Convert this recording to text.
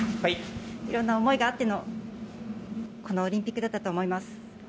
いろんな思いがあってのこのオリンピックだったと思います。